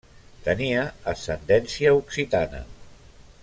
Tenia ascendència occitana.